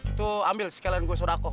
itu ambil sekalian gue sudah aku buat